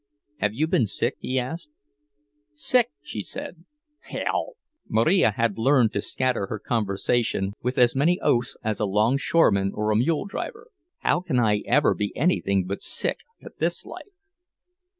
"Have you been sick?" he asked. "Sick?" she said. "Hell!" (Marija had learned to scatter her conversation with as many oaths as a longshoreman or a mule driver.) "How can I ever be anything but sick, at this life?"